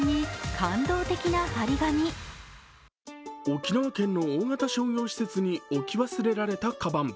沖縄県の大型商業施設に置き忘れられたかばん。